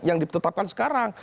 yang ditetapkan sekarang